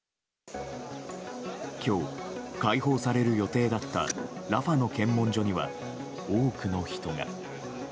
今日、解放される予定だったラファの検問所には多くの人が。